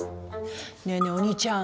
「ねぇねぇお兄ちゃん